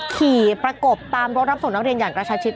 ขี่ประกบตามรถรับส่งนักเรียนอย่างกระชาชิด